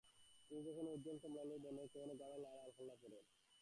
তিনি কখনও উজ্জ্বল কমলালেবু বর্ণের, কখনও বা গাঢ় লাল আলখাল্লা পরেন।